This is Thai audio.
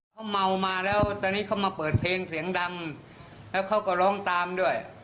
เขาเมามาแล้วตอนนี้เขามาเปิดเพลงเสียงดังแล้วเขาก็ร้องตามด้วย